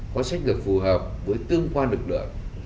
có sách lược phù hợp với tương quan lực lượng